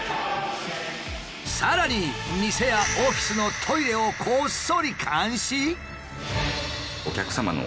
さらに店やオフィスのトイレをこっそり監視？